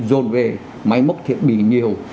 rồn về máy móc thiện bị nhiều